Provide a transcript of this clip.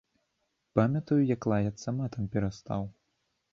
Памятаю, як лаяцца матам перастаў.